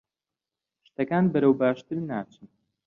شتەکان بەرەو باشتر ناچن.